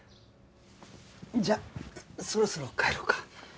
じゃあそろそろ帰ろうか。